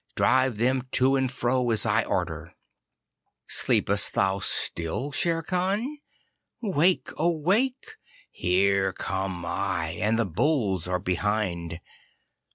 Drive them to and fro as I order. Sleepest thou still, Shere Khan? Wake, oh, wake! Here come I, and the bulls are behind.